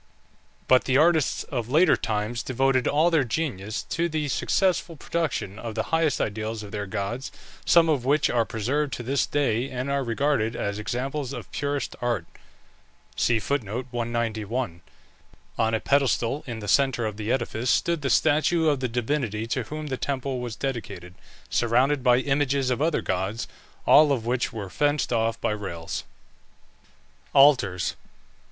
But the artists of later times devoted all their genius to the successful production of the highest ideals of their gods, some of which are preserved to this day, and are regarded as examples of purest art. On a pedestal in the centre of the edifice stood the statue of the divinity to whom the temple was dedicated, surrounded by images of other gods, all of which were fenced off by rails. ALTARS.